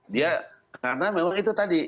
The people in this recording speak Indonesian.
dia karena memang itu tadi